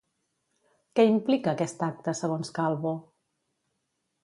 Què implica aquest acte, segons Calvo?